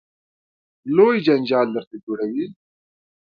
لوی جنجال درته جوړوي.